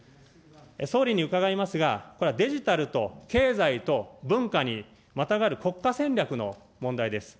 総理に伺いますが、これはデジタルと経済と文化にまたがる国家戦略の問題です。